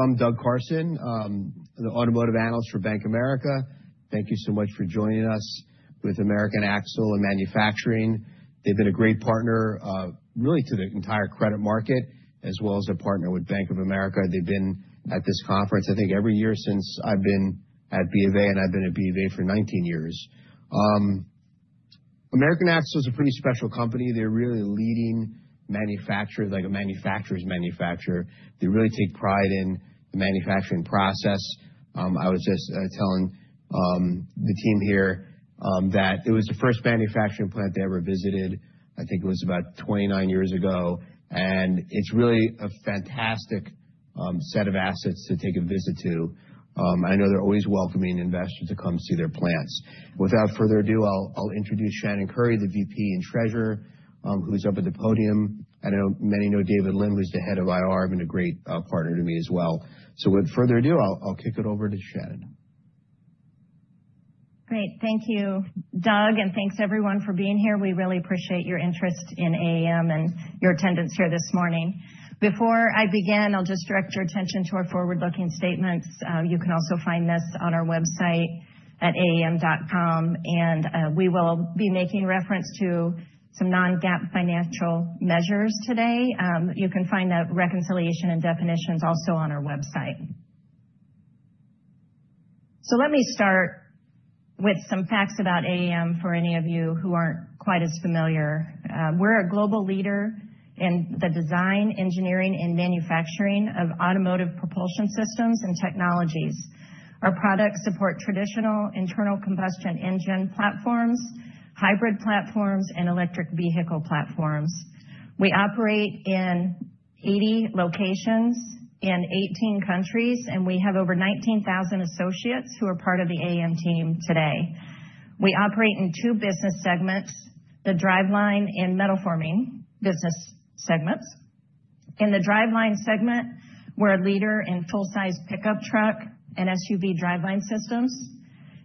I'm Doug Carson, the automotive analyst for Bank of America. Thank you so much for joining us with American Axle & Manufacturing. They've been a great partner, really, to the entire credit market, as well as a partner with Bank of America. They've been at this conference, I think, every year since I've been at B of A, and I've been at B of A for 19 years. American Axle is a pretty special company. They're really a leading manufacturer, like a manufacturer's manufacturer. They really take pride in the manufacturing process. I was just telling the team here that it was the first manufacturing plant they ever visited, I think it was about 29 years ago. It's really a fantastic set of assets to take a visit to. I know they're always welcoming investors to come see their plants. Without further ado, I'll introduce Shannon Curry, the VP and Treasurer, who's up at the podium, and I know many know David Lim, who's the head of IR, and a great partner to me as well, so without further ado, I'll kick it over to Shannon. Great. Thank you, Doug, and thanks, everyone, for being here. We really appreciate your interest in AAM and your attendance here this morning. Before I begin, I'll just direct your attention to our forward-looking statements. You can also find this on our website at aam.com, and we will be making reference to some Non-GAAP financial measures today. You can find that reconciliation and definitions also on our website. So let me start with some facts about AAM for any of you who aren't quite as familiar. We're a global leader in the design, engineering, and manufacturing of automotive propulsion systems and technologies. Our products support traditional internal combustion engine platforms, hybrid platforms, and electric vehicle platforms. We operate in 80 locations in 18 countries, and we have over 19,000 associates who are part of the AAM team today. We operate in two business segments, the driveline and metalforming business segments. In the driveline segment, we're a leader in full-size pickup truck and SUV driveline systems,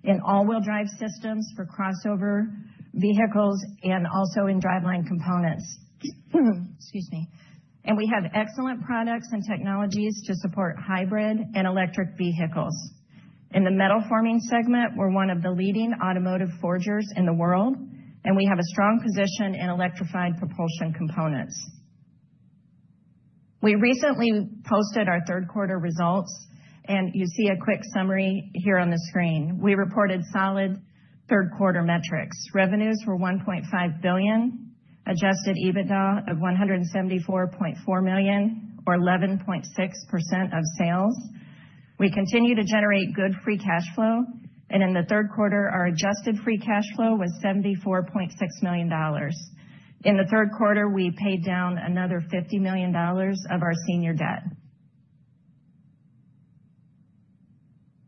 in all-wheel-drive systems for crossover vehicles, and also in driveline components. Excuse me. We have excellent products and technologies to support hybrid and electric vehicles. In the metalforming segment, we're one of the leading automotive forgers in the world, and we have a strong position in electrified propulsion components. We recently posted our third-quarter results, and you see a quick summary here on the screen. We reported solid third-quarter metrics. Revenues were $1.5 billion, adjusted EBITDA of $174.4 million, or 11.6% of sales. We continue to generate good free cash flow, and in the third quarter, our adjusted free cash flow was $74.6 million. In the third quarter, we paid down another $50 million of our senior debt.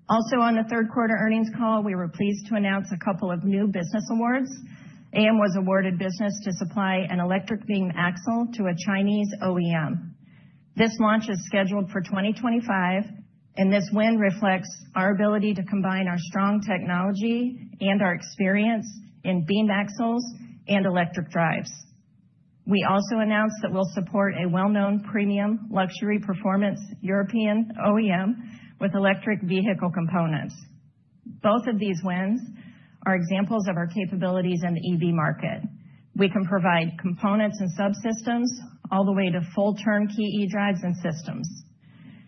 Also, on the third quarter earnings call, we were pleased to announce a couple of new business awards. AAM was awarded business to supply an e-Beam axle to a Chinese OEM. This launch is scheduled for 2025, and this win reflects our ability to combine our strong technology and our experience in beam axles and electric drives. We also announced that we'll support a well-known premium luxury performance European OEM with electric vehicle components. Both of these wins are examples of our capabilities in the EV market. We can provide components and subsystems all the way to full turnkey eDrives and systems,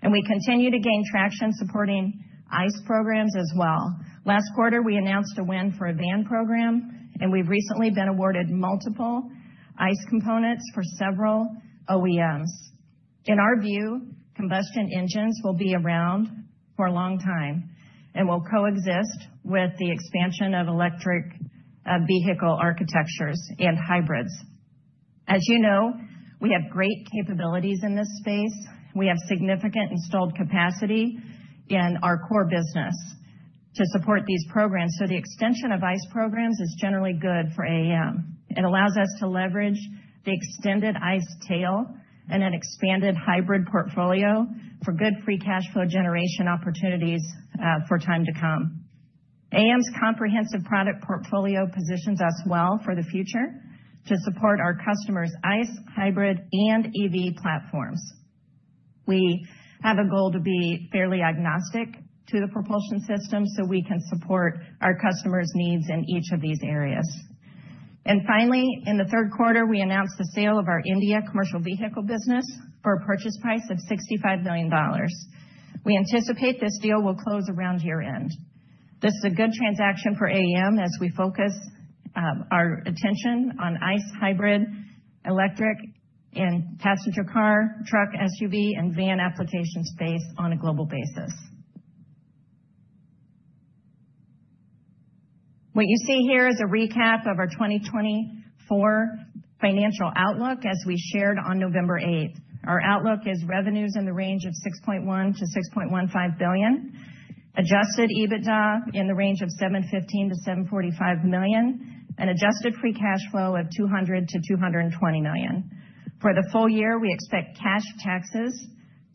and we continue to gain traction supporting ICE programs as well. Last quarter, we announced a win for a van program, and we've recently been awarded multiple ICE components for several OEMs. In our view, combustion engines will be around for a long time and will coexist with the expansion of electric vehicle architectures and hybrids. As you know, we have great capabilities in this space. We have significant installed capacity in our core business to support these programs, so the extension of ICE programs is generally good for AAM. It allows us to leverage the extended ICE tail and an expanded hybrid portfolio for good free cash flow generation opportunities for time to come. AAM's comprehensive product portfolio positions us well for the future to support our customers' ICE, hybrid, and EV platforms. We have a goal to be fairly agnostic to the propulsion system so we can support our customers' needs in each of these areas. And finally, in the third quarter, we announced the sale of our India commercial vehicle business for a purchase price of $65 million. We anticipate this deal will close around year-end. This is a good transaction for AAM as we focus our attention on ICE, hybrid, electric, and passenger car, truck, SUV, and van application space on a global basis. What you see here is a recap of our 2024 financial outlook as we shared on November 8th. Our outlook is revenues in the range of $6.1-$6.15 billion, adjusted EBITDA in the range of $715-$745 million, and adjusted free cash flow of $200-$220 million. For the full year, we expect cash taxes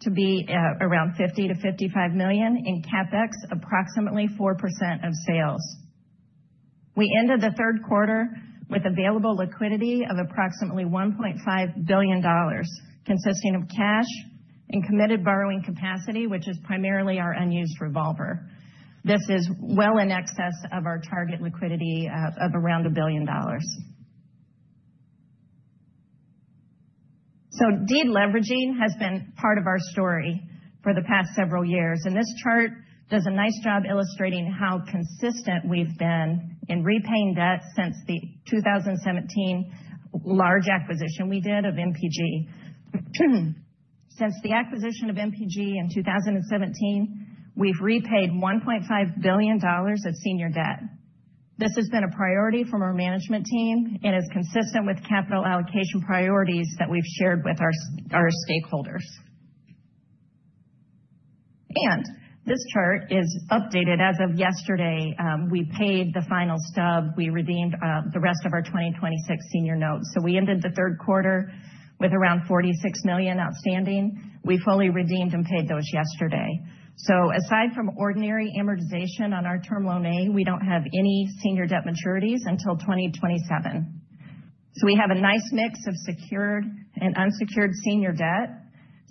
to be around $50-$55 million in CapEx, approximately 4% of sales. We ended the third quarter with available liquidity of approximately $1.5 billion, consisting of cash and committed borrowing capacity, which is primarily our unused revolver. This is well in excess of our target liquidity of around $1 billion. Deleveraging has been part of our story for the past several years, and this chart does a nice job illustrating how consistent we've been in repaying debt since the 2017 large acquisition we did of MPG. Since the acquisition of MPG in 2017, we've repaid $1.5 billion of senior debt. This has been a priority for our management team and is consistent with capital allocation priorities that we've shared with our stakeholders. And this chart is updated as of yesterday. We paid the final stub. We redeemed the rest of our 2026 senior note. So we ended the third quarter with around $46 million outstanding. We fully redeemed and paid those yesterday. So aside from ordinary amortization on our Term loan A, we don't have any senior debt maturities until 2027. So we have a nice mix of secured and unsecured senior debt,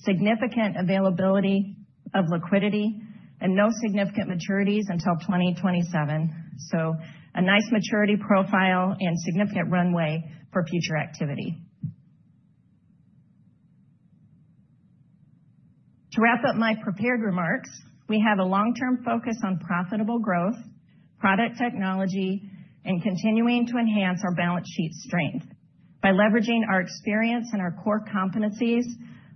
significant availability of liquidity, and no significant maturities until 2027. So a nice maturity profile and significant runway for future activity. To wrap up my prepared remarks, we have a long-term focus on profitable growth, product technology, and continuing to enhance our balance sheet strength. By leveraging our experience and our core competencies,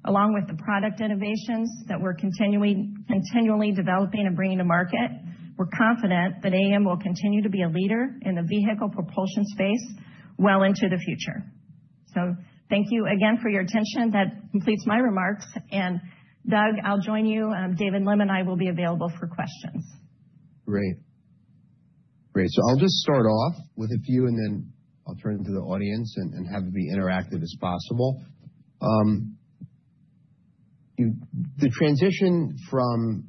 along with the product innovations that we're continually developing and bringing to market, we're confident that AAM will continue to be a leader in the vehicle propulsion space well into the future. So thank you again for your attention. That completes my remarks. And Doug, I'll join you. David Lim and I will be available for questions. Great. Great. So I'll just start off with a few, and then I'll turn to the audience and have it be interactive as possible. The transition from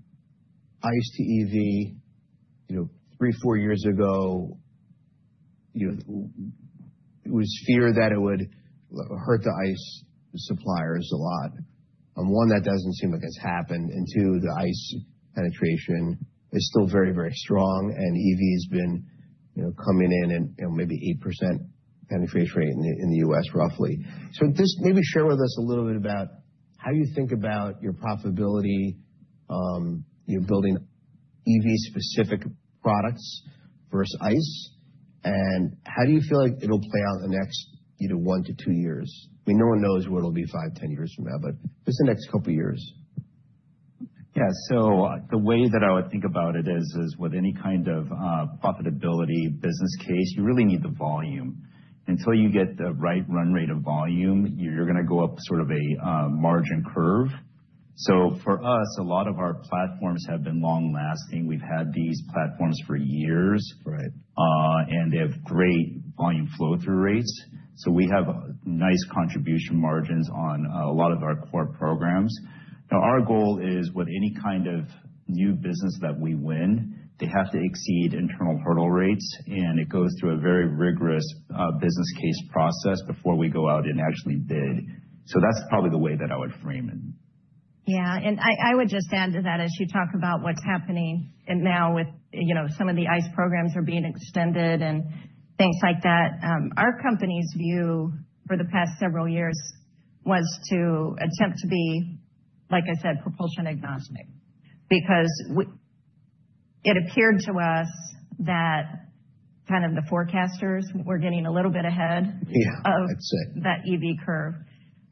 ICE to EV, three, four years ago, it was fear that it would hurt the ICE suppliers a lot. One, that doesn't seem like it's happened. And two, the ICE penetration is still very, very strong, and EV has been coming in at maybe 8% penetration rate in the U.S., roughly. So just maybe share with us a little bit about how you think about your profitability building EV-specific products versus ICE, and how do you feel like it'll play out in the next one to two years? I mean, no one knows where it'll be 5, 10 years from now, but just the next couple of years. Yeah. So the way that I would think about it is, with any kind of profitability business case, you really need the volume. Until you get the right run rate of volume, you're going to go up sort of a margin curve. So for us, a lot of our platforms have been long-lasting. We've had these platforms for years, and they have great volume flow-through rates. So we have nice contribution margins on a lot of our core programs. Now, our goal is with any kind of new business that we win, they have to exceed internal hurdle rates, and it goes through a very rigorous business case process before we go out and actually bid. So that's probably the way that I would frame it. Yeah, and I would just add to that as you talk about what's happening now with some of the ICE programs are being extended and things like that. Our company's view for the past several years was to attempt to be, like I said, propulsion agnostic because it appeared to us that kind of the forecasters were getting a little bit ahead of that EV curve,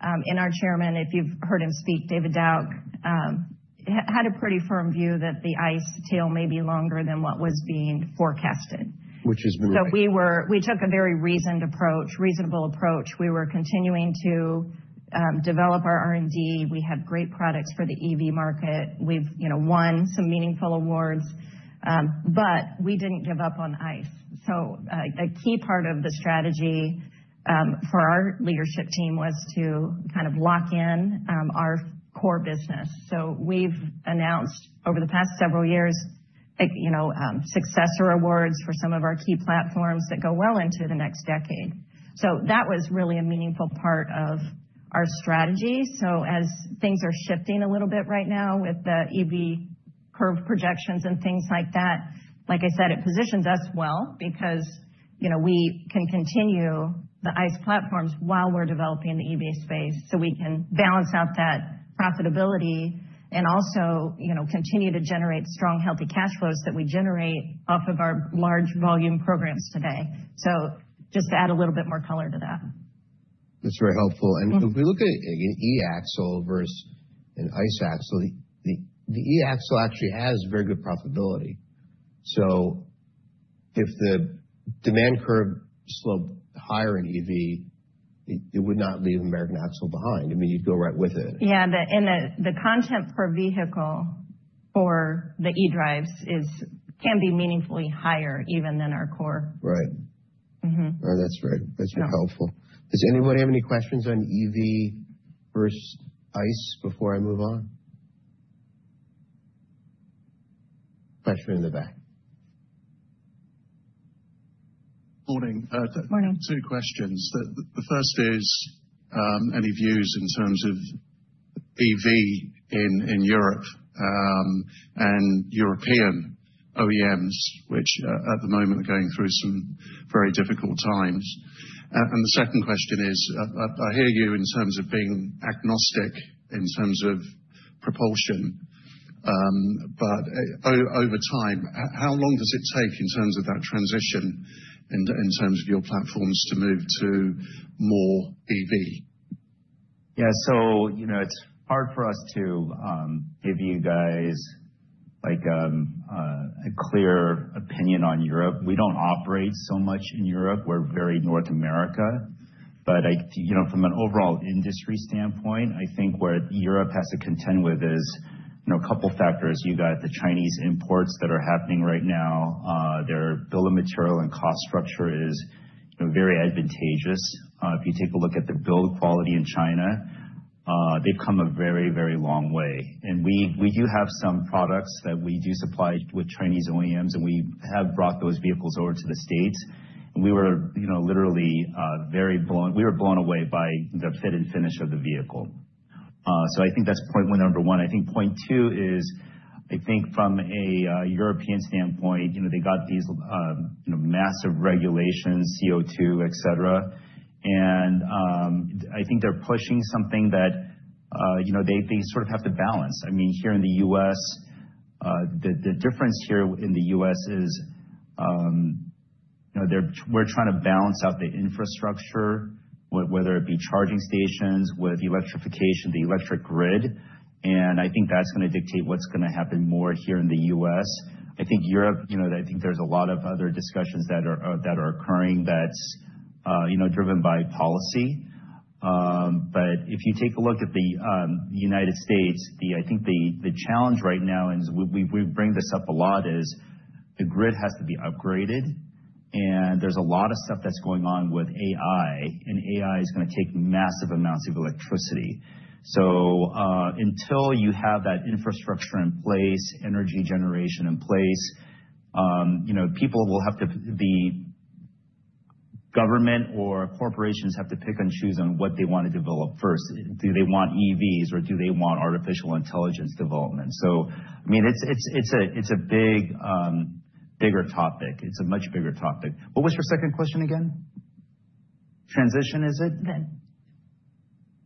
and our chairman, if you've heard him speak, David Dauch, had a pretty firm view that the ICE tail may be longer than what was being forecasted. Which has been the case. So we took a very reasonable approach. We were continuing to develop our R&D. We have great products for the EV market. We've won some meaningful awards, but we didn't give up on ICE. So a key part of the strategy for our leadership team was to kind of lock in our core business. So we've announced over the past several years successor awards for some of our key platforms that go well into the next decade. So that was really a meaningful part of our strategy. So, as things are shifting a little bit right now with the EV curve projections and things like that, like I said, it positions us well because we can continue the ICE platforms while we're developing the EV space so we can balance out that profitability and also continue to generate strong, healthy cash flows that we generate off of our large volume programs today. So just to add a little bit more color to that. That's very helpful. And if we look at an e-axle versus an ICE axle, the e-axle actually has very good profitability. So if the demand curve sloped higher in EV, it would not leave American Axle behind. I mean, you'd go right with it. Yeah, and the content per vehicle for the eDrives can be meaningfully higher even than our core. Right. Right. That's right. That's very helpful. Does anybody have any questions on EV versus ICE before I move on? Question in the back. Morning. Morning. Two questions. The first is any views in terms of EV in Europe and European OEMs, which at the moment are going through some very difficult times, and the second question is, I hear you in terms of being agnostic in terms of propulsion, but over time, how long does it take in terms of that transition and in terms of your platforms to move to more EV? Yeah. So it's hard for us to give you guys a clear opinion on Europe. We don't operate so much in Europe. We're very North America. But from an overall industry standpoint, I think where Europe has to contend with is a couple of factors. You've got the Chinese imports that are happening right now. Their Bill of Material and cost structure is very advantageous. If you take a look at the build quality in China, they've come a very, very long way. And we do have some products that we do supply with Chinese OEMs, and we have brought those vehicles over to the States. And we were literally very blown away by the fit and finish of the vehicle. So I think that's point number one. I think point two is, I think from a European standpoint, they got these massive regulations, CO2, etc. And I think they're pushing something that they sort of have to balance. I mean, here in the U.S., the difference here in the U.S. is we're trying to balance out the infrastructure, whether it be charging stations with the electrification, the electric grid. And I think that's going to dictate what's going to happen more here in the U.S. I think Europe, I think there's a lot of other discussions that are occurring that's driven by policy. But if you take a look at the United States, I think the challenge right now, and we bring this up a lot, is the grid has to be upgraded. And there's a lot of stuff that's going on with AI, and AI is going to take massive amounts of electricity. So until you have that infrastructure in place, energy generation in place, people will have to, the government or corporations have to pick and choose on what they want to develop first. Do they want EVs, or do they want artificial intelligence development? So, I mean, it's a bigger topic. It's a much bigger topic. What was your second question again? Transition, is it? Then.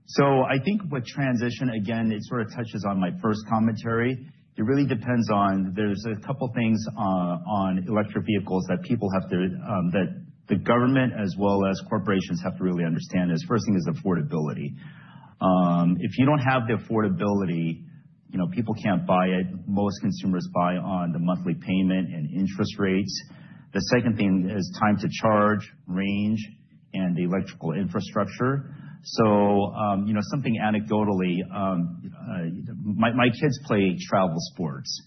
So I think with transition, again, it sort of touches on my first commentary. It really depends on. There's a couple of things on electric vehicles that people have to the government as well as corporations have to really understand. First thing is affordability. If you don't have the affordability, people can't buy it. Most consumers buy on the monthly payment and interest rates. The second thing is time to charge, range, and the electrical infrastructure. So something anecdotally, my kids play travel sports,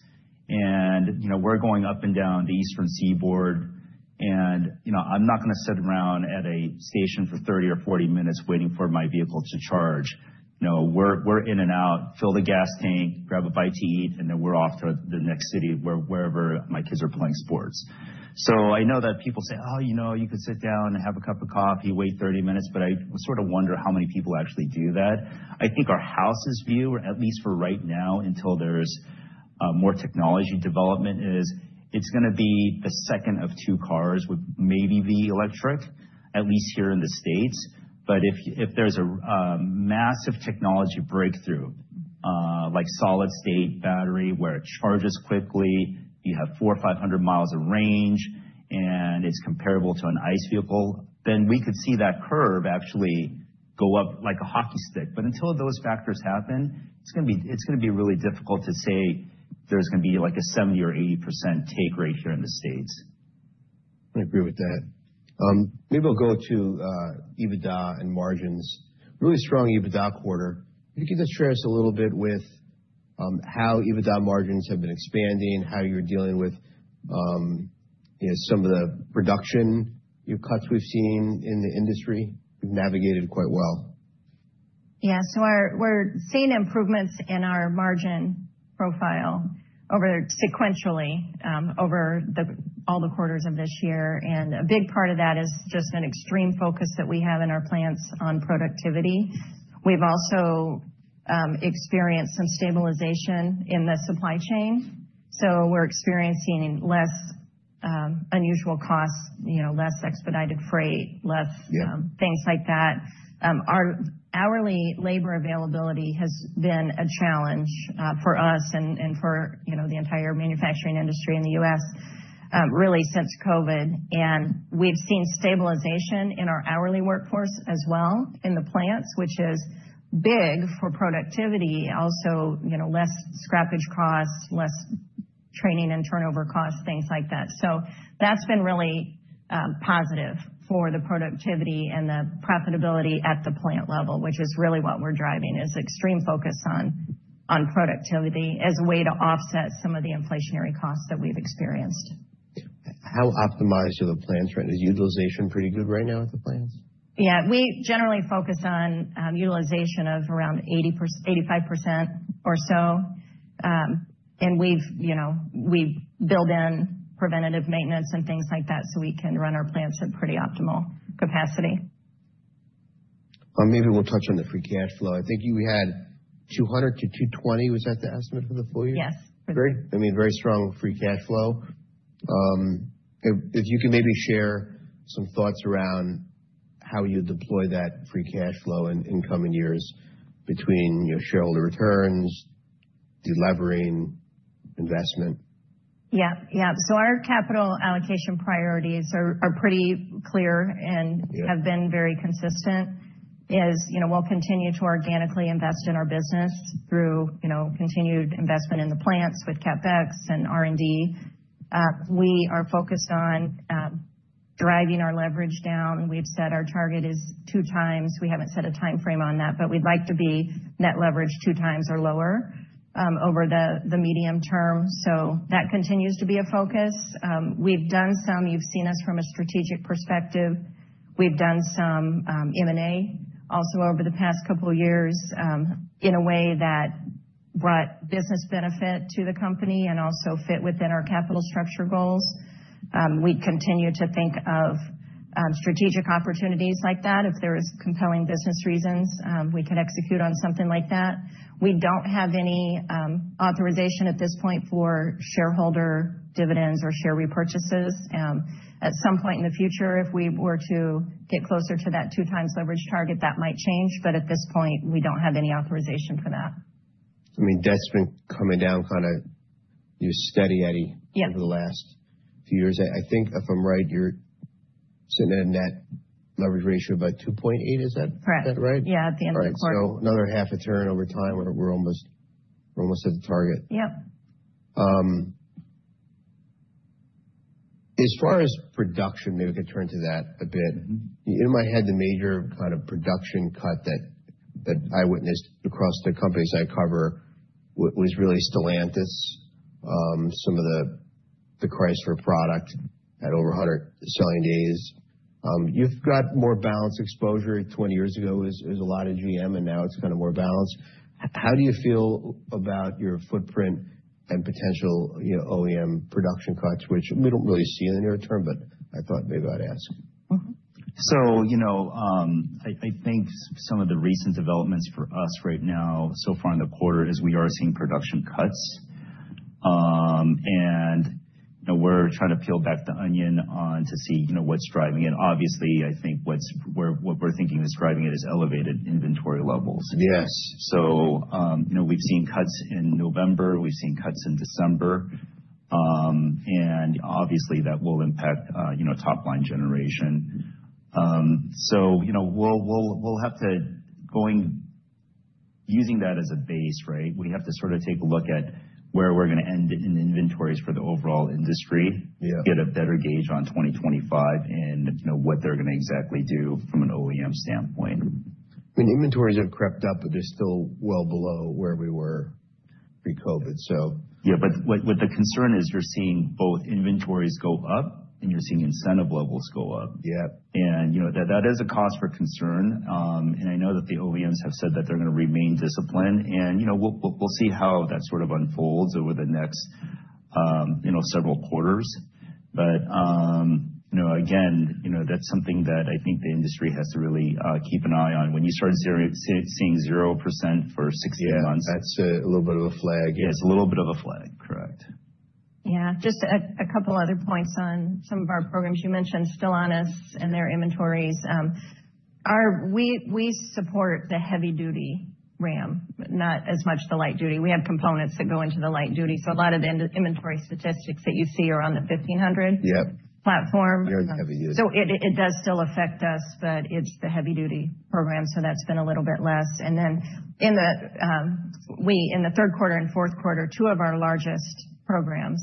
and we're going up and down the Eastern Seaboard. And I'm not going to sit around at a station for 30 or 40 minutes waiting for my vehicle to charge. We're in and out, fill the gas tank, grab a bite to eat, and then we're off to the next city wherever my kids are playing sports. So I know that people say, "Oh, you could sit down and have a cup of coffee, wait 30 minutes," but I sort of wonder how many people actually do that. I think our house's view, at least for right now, until there's more technology development, is it's going to be the second of two cars with maybe the electric, at least here in the States. But if there's a massive technology breakthrough, like solid-state battery where it charges quickly, you have 400-500 miles of range, and it's comparable to an ICE vehicle, then we could see that curve actually go up like a hockey stick. But until those factors happen, it's going to be really difficult to say there's going to be like a 70% or 80% take rate here in the States. I agree with that. Maybe I'll go to EBITDA and margins. Really strong EBITDA quarter. Could you give us a little bit with how EBITDA margins have been expanding, how you're dealing with some of the production cuts we've seen in the industry? You've navigated quite well. Yeah, so we're seeing improvements in our margin profile sequentially over all the quarters of this year, and a big part of that is just an extreme focus that we have in our plants on productivity. We've also experienced some stabilization in the supply chain, so we're experiencing less unusual costs, less expedited freight, less things like that. Our hourly labor availability has been a challenge for us and for the entire manufacturing industry in the U.S. really since COVID, and we've seen stabilization in our hourly workforce as well in the plants, which is big for productivity, also less scrappage costs, less training and turnover costs, things like that, so that's been really positive for the productivity and the profitability at the plant level, which is really what we're driving, is extreme focus on productivity as a way to offset some of the inflationary costs that we've experienced. How optimized are the plants right now? Is utilization pretty good right now at the plants? Yeah. We generally focus on utilization of around 85% or so, and we build in preventative maintenance and things like that so we can run our plants at pretty optimal capacity. Maybe we'll touch on the free cash flow. I think you had 200-220, was that the estimate for the full year? Yes. Great. I mean, very strong free cash flow. If you can maybe share some thoughts around how you deploy that free cash flow in coming years between shareholder returns, delivering investment. Yeah. Yeah. Our capital allocation priorities are pretty clear and have been very consistent. We'll continue to organically invest in our business through continued investment in the plants with CapEx and R&D. We are focused on driving our leverage down. We've set our target as two times. We haven't set a timeframe on that, but we'd like to be net leverage two times or lower over the medium term. That continues to be a focus. We've done some. You've seen us from a strategic perspective. We've done some M&A also over the past couple of years in a way that brought business benefit to the company and also fit within our capital structure goals. We continue to think of strategic opportunities like that. If there are compelling business reasons, we can execute on something like that. We don't have any authorization at this point for shareholder dividends or share repurchases. At some point in the future, if we were to get closer to that two-times leverage target, that might change, but at this point, we don't have any authorization for that. I mean, that's been coming down kind of steady, Eddie, over the last few years. I think if I'm right, you're sitting at a net leverage ratio of about 2.8, is that right? Correct. Yeah, at the end of the quarter. So another half a turn over time, we're almost at the target. Yep. As far as production, maybe we could turn to that a bit. In my head, the major kind of production cut that I witnessed across the companies I cover was really Stellantis, some of the plants for product at over 100 selling days. You've got more balanced exposure. 20 years ago, it was a lot of GM, and now it's kind of more balanced. How do you feel about your footprint and potential OEM production cuts, which we don't really see in the near term, but I thought maybe I'd ask? So, I think some of the recent developments for us right now, so far in the quarter, is we are seeing production cuts. And we're trying to peel back the onion on to see what's driving it. Obviously, I think what we're thinking is driving it is elevated inventory levels. Yes. So we've seen cuts in November. We've seen cuts in December. And obviously, that will impact top-line generation. So we'll have to use that as a base, right? We have to sort of take a look at where we're going to end in inventories for the overall industry, get a better gauge on 2025 and what they're going to exactly do from an OEM standpoint. I mean, inventories have crept up, but they're still well below where we were pre-COVID, so. Yeah. But what the concern is, you're seeing both inventories go up, and you're seeing incentive levels go up. And that is a cause for concern. And I know that the OEMs have said that they're going to remain disciplined. And we'll see how that sort of unfolds over the next several quarters. But again, that's something that I think the industry has to really keep an eye on. When you start seeing 0% for 16 months. Yeah. That's a little bit of a flag. Yeah. It's a little bit of a flag. Correct. Yeah. Just a couple of other points on some of our programs. You mentioned Stellantis and their inventories. We support the heavy-duty Ram, not as much the light-duty. We have components that go into the light-duty. So a lot of the inventory statistics that you see are on the 1500 platform. Yep. Very heavy-duty. So it does still affect us, but it's the heavy-duty program. So that's been a little bit less. And then in the third quarter and fourth quarter, two of our largest programs,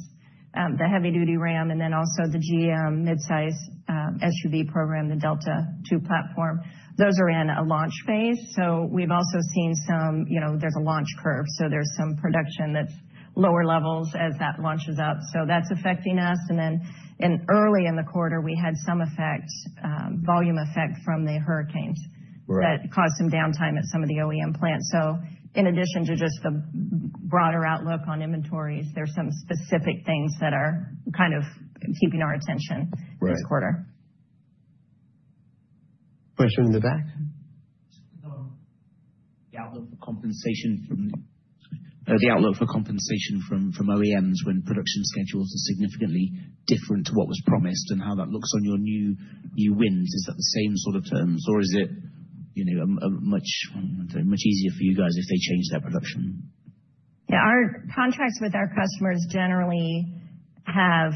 the heavy-duty Ram and then also the GM midsize SUV program, the Delta II platform, those are in a launch phase. So we've also seen some. There's a launch curve. So there's some production that's lower levels as that launches up. So that's affecting us. And then early in the quarter, we had some volume effect from the hurricanes that caused some downtime at some of the OEM plants. So in addition to just the broader outlook on inventories, there are some specific things that are kind of keeping our attention this quarter. Question in the back? The outlook for compensation from OEMs when production schedules are significantly different to what was promised and how that looks on your new wins, is that the same sort of terms, or is it much easier for you guys if they change their production? Yeah. Our contracts with our customers generally have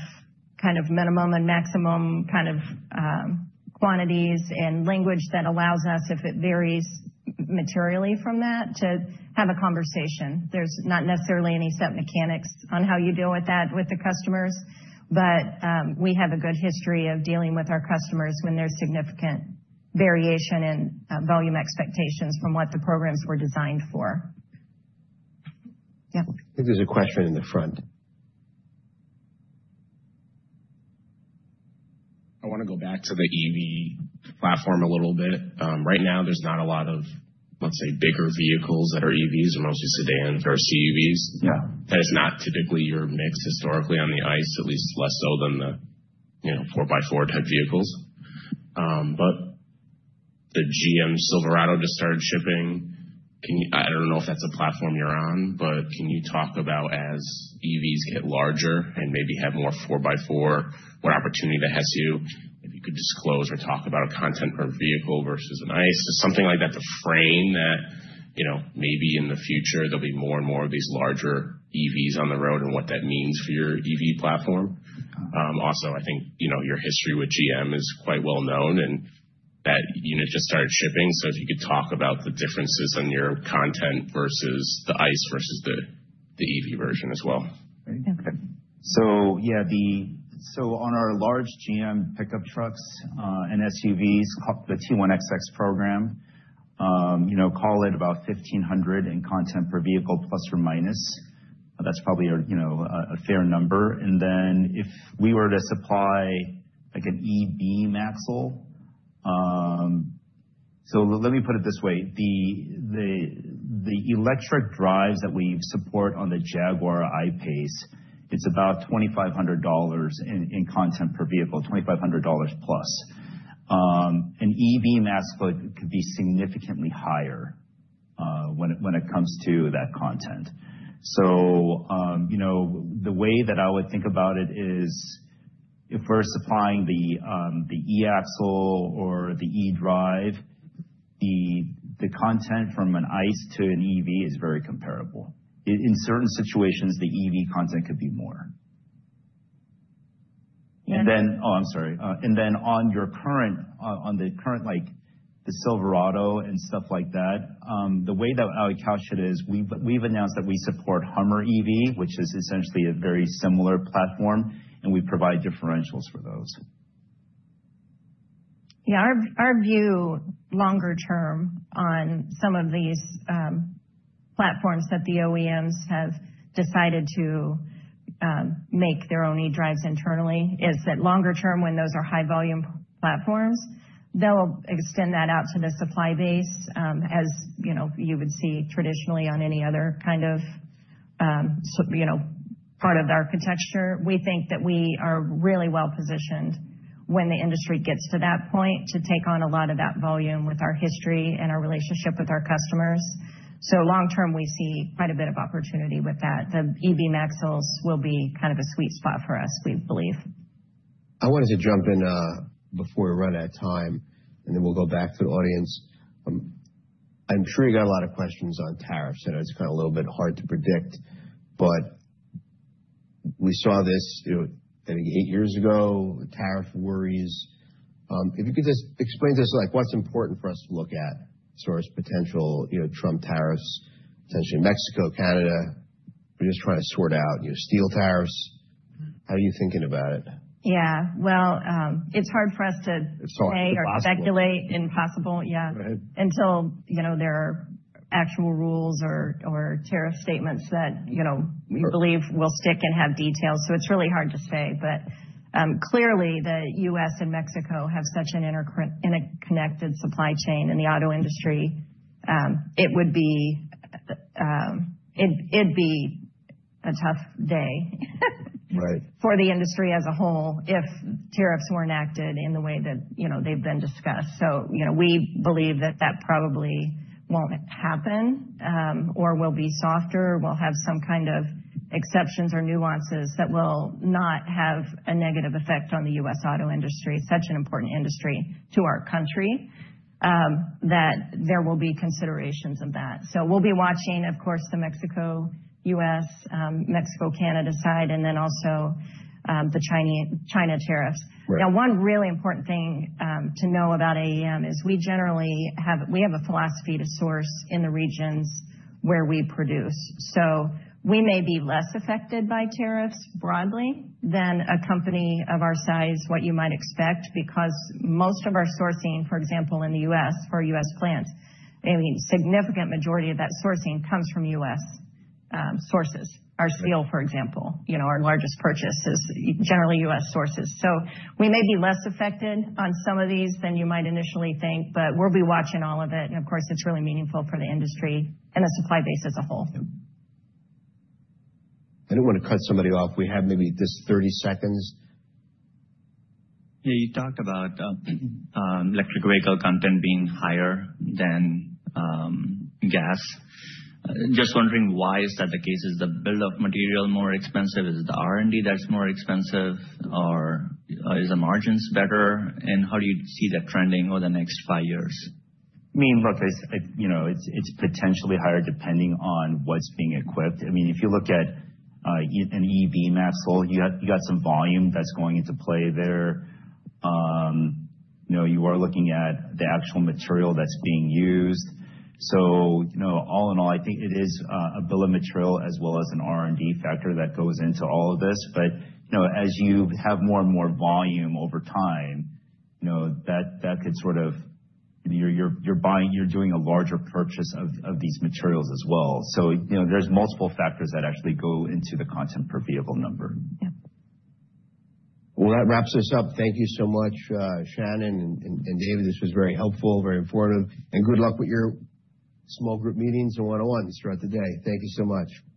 kind of minimum and maximum kind of quantities and language that allows us, if it varies materially from that, to have a conversation. There's not necessarily any set mechanics on how you deal with that with the customers. But we have a good history of dealing with our customers when there's significant variation in volume expectations from what the programs were designed for. Yep. I think there's a question in the front. I want to go back to the EV platform a little bit. Right now, there's not a lot of, let's say, bigger vehicles that are EVs. They're mostly sedans or CUVs. That is not typically your mix historically on the ICE, at least less so than the 4x4 type vehicles. But the GM Silverado just started shipping. I don't know if that's a platform you're on, but can you talk about as EVs get larger and maybe have more 4x4, what opportunity that has you? If you could disclose or talk about a content per vehicle versus an ICE, just something like that to frame that maybe in the future, there'll be more and more of these larger EVs on the road and what that means for your EV platform. Also, I think your history with GM is quite well known, and that unit just started shipping. If you could talk about the differences on your content versus the ICE versus the EV version as well. Great. Okay. So yeah, so on our large GM pickup trucks and SUVs, the T1XX program, call it about $1,500 in content per vehicle plus or minus. That's probably a fair number. And then if we were to supply an e-Beam Axle, so let me put it this way. The electric drives that we support on the Jaguar I-PACE, it's about $2,500 in content per vehicle, $2,500 plus. An e-Beam Axle could be significantly higher when it comes to that content. So the way that I would think about it is if we're supplying the e-Axle or the e-Drive, the content from an ICE to an EV is very comparable. In certain situations, the EV content could be more. And then. Oh, I'm sorry. And then on the current, like the Silverado and stuff like that, the way that I would couch it is we've announced that we support Hummer EV, which is essentially a very similar platform, and we provide differentials for those. Yeah. Our view longer term on some of these platforms that the OEMs have decided to make their own e-Drives internally is that longer term, when those are high-volume platforms, they'll extend that out to the supply base as you would see traditionally on any other kind of part of the architecture. We think that we are really well positioned when the industry gets to that point to take on a lot of that volume with our history and our relationship with our customers. So long term, we see quite a bit of opportunity with that. The e-Beam axles will be kind of a sweet spot for us, we believe. I wanted to jump in before we run out of time, and then we'll go back to the audience. I'm sure you got a lot of questions on tariffs. I know it's kind of a little bit hard to predict, but we saw this, I think, eight years ago, tariff worries. If you could just explain to us what's important for us to look at as far as potential Trump tariffs, potentially Mexico, Canada, we're just trying to sort out steel tariffs. How are you thinking about it? Yeah. It's hard for us to say or speculate on possible until there are actual rules or tariff statements that we believe will stick and have details. So it's really hard to say. But clearly, the U.S. and Mexico have such an interconnected supply chain in the auto industry. It would be a tough day for the industry as a whole if tariffs weren't enacted in the way that they've been discussed. So we believe that that probably won't happen or will be softer. We'll have some kind of exceptions or nuances that will not have a negative effect on the U.S. auto industry, such an important industry to our country, that there will be considerations of that. So we'll be watching, of course, the U.S., Mexico, Canada side, and then also the China tariffs. Now, one really important thing to know about AAM is we generally have a philosophy to source in the regions where we produce, so we may be less affected by tariffs broadly than a company of our size, what you might expect, because most of our sourcing, for example, in the U.S. for U.S. plants, I mean, a significant majority of that sourcing comes from U.S. sources. Our steel, for example, our largest purchase, is generally U.S. sources, so we may be less affected on some of these than you might initially think, but we'll be watching all of it, and of course, it's really meaningful for the industry and the supply base as a whole. I don't want to cut somebody off. We have maybe just 30 seconds. Yeah. You talked about electric vehicle content being higher than gas. Just wondering why is that the case? Is the bill of material more expensive? Is the R&D that's more expensive? Or are the margins better? And how do you see that trending over the next five years? I mean, look, it's potentially higher depending on what's being equipped. I mean, if you look at an e-Beam axle, you got some volume that's going into play there. You are looking at the actual material that's being used. So all in all, I think it is a bill of material as well as an R&D factor that goes into all of this. But as you have more and more volume over time, that could sort of—you're doing a larger purchase of these materials as well. So there's multiple factors that actually go into the content per vehicle number. Yep. That wraps us up. Thank you so much, Shannon and David. This was very helpful, very informative. Good luck with your small group meetings and one-on-ones throughout the day. Thank you so much.